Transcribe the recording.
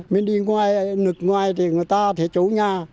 mình đi ngoài nước ngoài thì người ta thì chú nhà